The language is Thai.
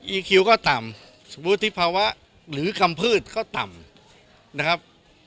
คิวก็ต่ำวุฒิภาวะหรือคำพืชก็ต่ำนะครับ